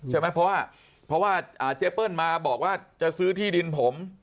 ใช่ไหมเพราะว่าเพราะว่าเจเปิ้ลมาบอกว่าจะซื้อที่ดินผม